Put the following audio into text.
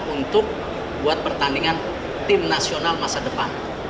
untuk buat pertandingan tim nasional masa depan